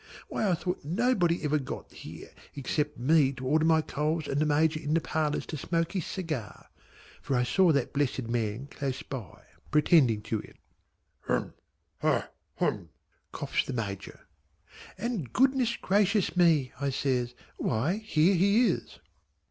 Why I thought nobody ever got here, except me to order my coals and the Major in the parlours to smoke his cigar!" for I saw that blessed man close by, pretending to it. "Hah Hah Hum!" coughs the Major. "And good gracious me" I says, "why here he is!"